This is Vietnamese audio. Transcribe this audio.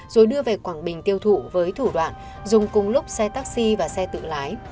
rồi đưa về quảng bình tiêu thụ với thủ đoạn dùng cùng lúc xe taxi và xe tự lái